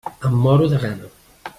Em moro de gana.